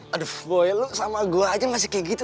aduh boy anda sama saya aja masih kayak gitu